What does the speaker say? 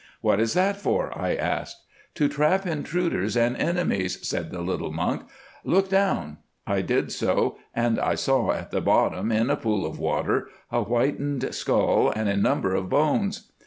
'What is that for?' I asked. 'To trap intruders and enemies,' said the little monk. 'Look down.' I did so, and I saw at the bottom, in a pool of water, a whitened skull and a number of bones.